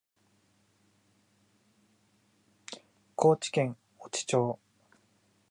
高知県越知町